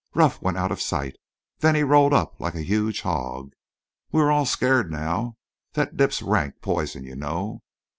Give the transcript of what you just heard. Ruff went out of sight. Then he rolled up like a huge hog. We were all scared now. That dip's rank poison, you know.